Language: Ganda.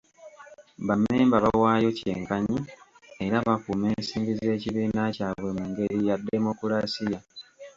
Bammemba bawaayo kyenkanyi, era bakuuma ensimbi z’ekibiina kyabwe mu ngeri ya demokulaasiya.